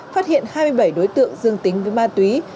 phát hiện hai mươi bảy đối tượng dương tính với ma túy